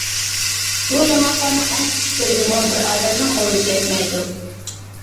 بۇ ياڭاقلارنىڭ ئەڭ كىچىكلىرىگىمۇ بىر ئادەمنىڭ غۇلىچى يەتمەيدۇ.